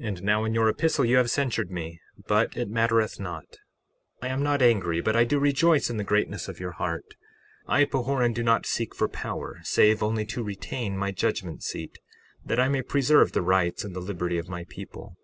61:9 And now, in your epistle you have censured me, but it mattereth not; I am not angry, but do rejoice in the greatness of your heart. I, Pahoran, do not seek for power, save only to retain my judgment seat that I may preserve the rights and the liberty of my people.